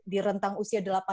di rentang usia delapan belas